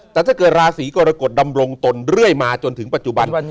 แต่ถ้าเกิดราศีกรกฎดำรงตนเรื่อยมาจนถึงปัจจุบัน